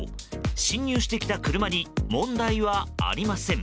進入してきた車に問題はありません。